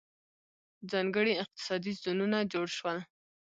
ځانګړي اقتصادي زونونه جوړ شول.